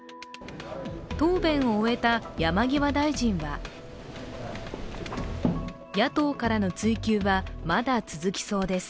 答弁を終えた山際大臣は野党からの追及はまだ続きそうです。